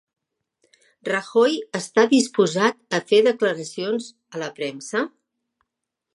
Rajoy està disposat a fer declaracions a la premsa?